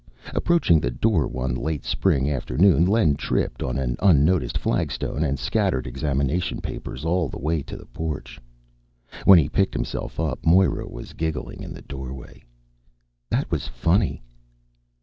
Approaching the door one late spring afternoon, Len tripped on an unnoticed flagstone and scattered examination papers all the way to the porch. When he picked himself up, Moira was giggling in the doorway. "That was funny."